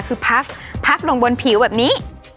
คือพักลงบนผิวแบบนี้